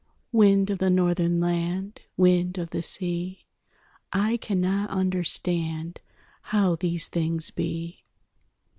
Wind of the Northern land, Wind of the sea, I cannot understand How these things be.